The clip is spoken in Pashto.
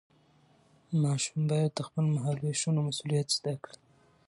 ماشوم باید د خپلو مهالوېشونو مسؤلیت زده کړي.